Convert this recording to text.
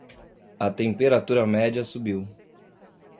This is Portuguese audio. A temperatura média subiu.